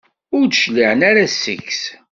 Ur d-cliɛen ara seg-s.